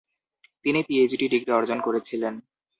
তিনি PhD degree অর্জন করেছিলেন।